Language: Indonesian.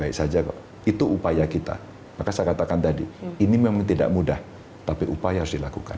baik saja kok itu upaya kita maka saya katakan tadi ini memang tidak mudah tapi upaya harus dilakukan